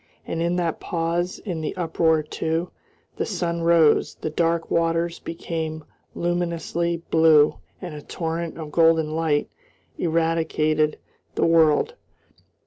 And in that pause in the uproar too, the sun rose, the dark waters became luminously blue, and a torrent of golden light irradiated the world.